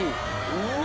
うわ。